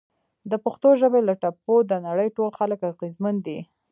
د پښتو ژبې له ټپو د نړۍ ټول خلک اغیزمن دي!